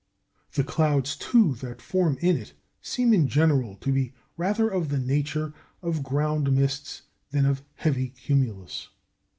The clouds, too, that form in it seem in general to be rather of the nature of ground mists than of heavy cumulus.